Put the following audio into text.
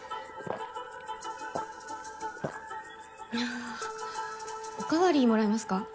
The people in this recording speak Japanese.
あおかわりもらえますか？